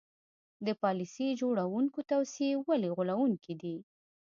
د پالیسي جوړوونکو توصیې ولې غولوونکې دي.